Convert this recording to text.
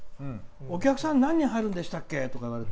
お客さん、何人入るんでしたっけ。